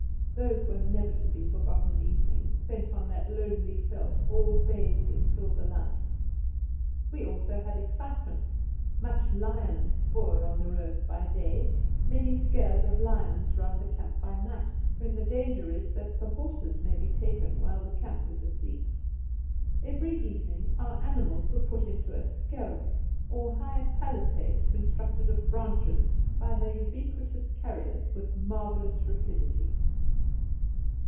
Those were never to be forgotten evenings, spent on that lonely veldt all bathed in silver light. We also had excitements much lions' spoor on the roads by day, many scares of lions round the camps by night, when the danger is that the horses may be taken while the camp is asleep. Every evening our animals were put into a "skerm," or high palisade, constructed of branches by the ubiquitous carriers with marvellous rapidity.